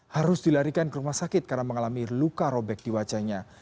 harus dilarikan ke rumah sakit karena mengalami luka robek di wajahnya